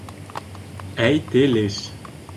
Әйтелеш